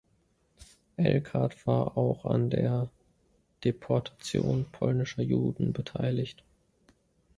Elkart war auch an der Deportation polnischer Juden beteiligt.